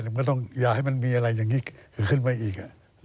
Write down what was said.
มันก็ต้องอย่าให้มันมีอะไรอย่างนี้เกิดขึ้นมาอีก